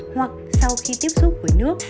hoặc sau khi tiếp xúc với nước